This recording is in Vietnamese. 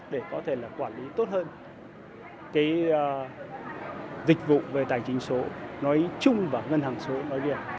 để có thể là quản lý tốt hơn cái dịch vụ về tài chính số nói chung và ngân hàng số nói riêng